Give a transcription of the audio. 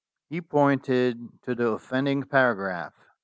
He pointed to the offending para graph.